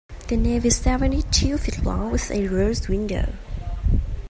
The nave is seventy-two feet long, with a rose window.